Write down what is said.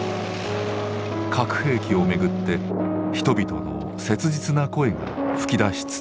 核兵器をめぐって人々の切実な声が噴き出しつつある。